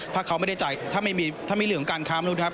ถ้าเขาไม่ได้จ่ายถ้าไม่มีถ้ามีเรื่องของการค้ามนุษย์ครับ